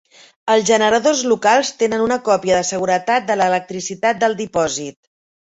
Els generadors locals tenen una còpia de seguretat de l'electricitat del dipòsit.